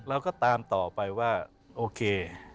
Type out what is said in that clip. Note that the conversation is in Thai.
เราก็ตามต่อไปว่าโอเค